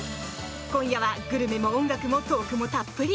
今夜は、グルメも音楽もトークもたっぷり。